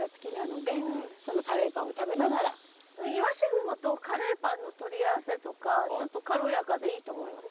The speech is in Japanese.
鰯雲とカレーパンの取り合わせとかちょっと軽やかでいいと思います。